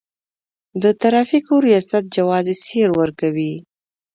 د ترافیکو ریاست جواز سیر ورکوي